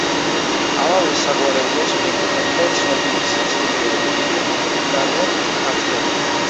ამავე საგვარეულოს მიეკუთვნებოდა ცნობილი სასულიერო პირი ილარიონ ქართველი.